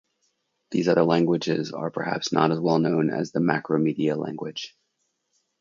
These other languages are perhaps not as well known as the Macromedia language.